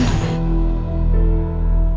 sabar ya raja